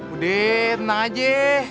udah tenang aja